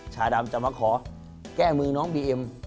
ชาดำจะมาขอแก้มือน้องบีเอ็ม